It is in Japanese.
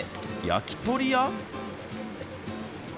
焼き鳥屋？